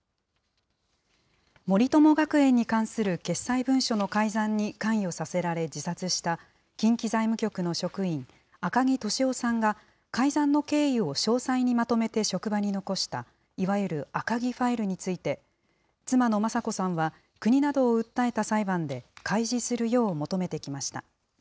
森友学園に関する決裁文書の改ざんに関与させられ自殺した、近畿財務局の職員、赤木俊夫さんが、改ざんの経緯を詳細にまとめて職場に残したいわゆる赤木ファイルについて、妻の雅子さんは、国などを訴えた裁判で開示するよう求めてきました。